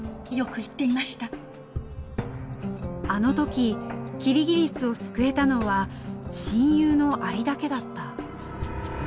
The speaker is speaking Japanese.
あの時キリギリスを救えたのは親友のアリだけだった。